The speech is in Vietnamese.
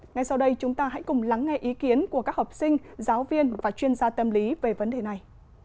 ngay sau đây chúng ta hãy cùng lắng nghe ý kiến của các học sinh giáo viên và chuyên gia tâm lý về vấn đề này